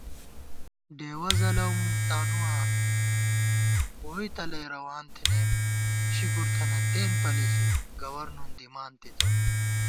ڈېوَہ ځَلَؤم تانُواں ووئی تلَئی روان تھنَئیم شُکُر تھنہ تېن پلےݪی گور نُن دِمان تِتہ